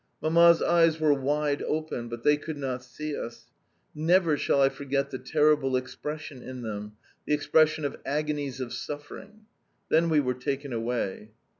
Mamma's eyes were wide open, but they could not see us. Never shall I forget the terrible expression in them the expression of agonies of suffering! Then we were taken away.